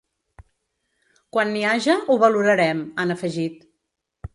Quan n’hi haja, ho valorarem, han afegit.